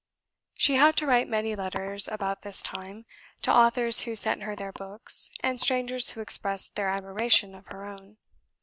She had to write many letters, about this time, to authors who sent her their books, and strangers who expressed their admiration of her own.